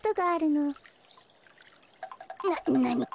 ななにか？